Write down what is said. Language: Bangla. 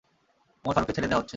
ওমর ফারুককে ছেড়ে দেয়া হচ্ছে।